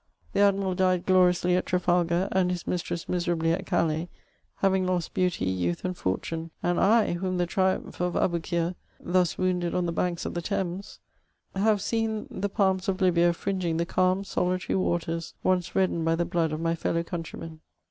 The Admnral died gloriomly at Tra£idg«z^ and his mistress miserably at Gahusy haying lost beaaty, youth, and fortone ; and I, whom the trinmph of Abookir thus wonnded on the banks of the Thames, haye seen the palans of Libya fringing the calm solitary waters onoe reddened by the blood of my fellow coantrymen.